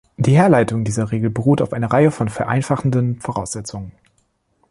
Die Herleitung dieser Regel beruht auf einer Reihe von vereinfachenden Voraussetzungen.